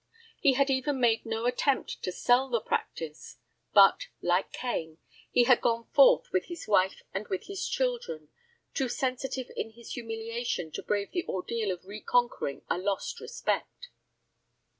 He had even made no attempt to sell the practice, but, like Cain, he had gone forth with his wife and with his children, too sensitive in his humiliation to brave the ordeal of reconquering a lost respect.